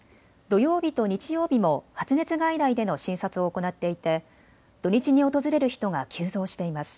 土曜日と日曜日も発熱外来での診察を行っていて土日に訪れる人が急増しています。